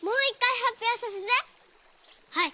はい。